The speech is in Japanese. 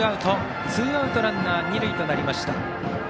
ツーアウトランナー、二塁となりました。